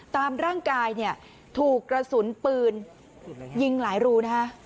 ตามร่างกายถูกกระสุนปืนยิงหลายรู